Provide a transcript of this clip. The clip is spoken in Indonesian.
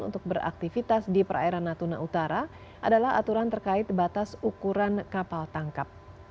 untuk beraktivitas di perairan natuna utara adalah aturan terkait batas ukuran kapal tangkap